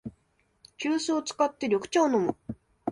急須を使って緑茶を飲む